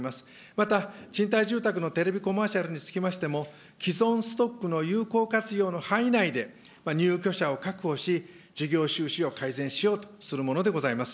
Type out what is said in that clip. また賃貸住宅のテレビコマーシャルにつきましても、既存ストックの有効活用の範囲内で、入居者を確保し、事業収支を改善しようとするものでございます。